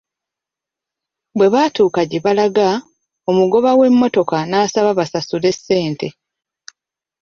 Bwe baatuuka gye balaga, omugoba w'emmotoka n'abasaba basasule ssente.